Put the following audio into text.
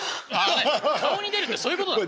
顔に出るってそういうことなんだ。